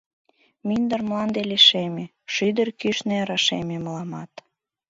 Мӱндыр мланде лишеме, Шӱдыр кӱшнӧ рашеме мыламат.